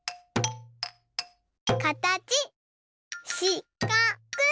かたちしかく。